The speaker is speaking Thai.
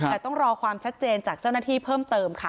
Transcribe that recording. แต่ต้องรอความชัดเจนจากเจ้าหน้าที่เพิ่มเติมค่ะ